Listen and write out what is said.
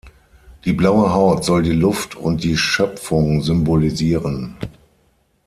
Die blaue Haut soll die Luft und die Schöpfung symbolisieren.